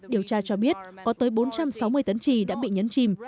điều tra cho biết có tới bốn trăm sáu mươi tấn trì đã bị nhấn chìm